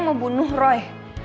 mau bunuh roy